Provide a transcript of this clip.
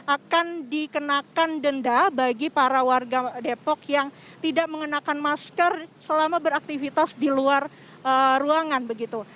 akan dikenakan denda bagi para warga depok yang tidak mengenakan masker selama beraktivitas di luar ruangan begitu